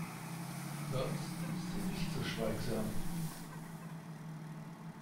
Sonst ist sie nicht so schweigsam.